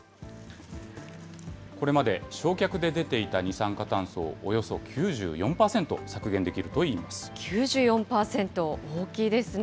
これまで焼却で出ていた二酸化炭素をおよそ９４％削減できる９４％、大きいですね。